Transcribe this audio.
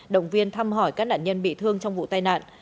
động viên thăm hỏi các nạn nhân bị thương trong vụ tai nạn